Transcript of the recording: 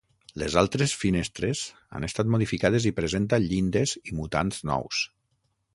Les altres finestres han estat modificades i presenta llindes i muntants nous.